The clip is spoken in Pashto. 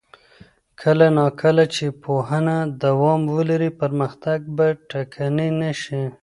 کله نا کله چې پوهنه دوام ولري، پرمختګ به ټکنی نه شي.